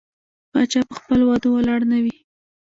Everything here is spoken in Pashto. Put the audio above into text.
پاچا په خپل وعدو ولاړ نه وي.